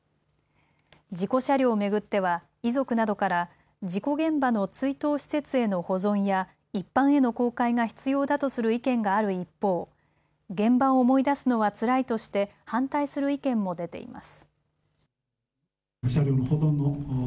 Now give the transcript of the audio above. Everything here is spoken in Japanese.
事故車両を巡っては遺族などから事故現場の追悼施設への保存や一般への公開が必要だとする意見がある一方、現場を思い出すのはつらいとして反対する意見も出ています。